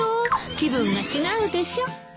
気分が違うでしょ。